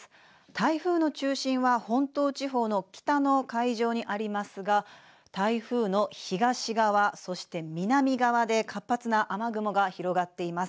台風の中心は本島地方の北の海上にありますが台風の東側、そして南側で活発な雨雲が広がっています。